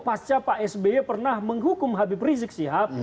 pasca pak sby pernah menghukum habib rizik sihab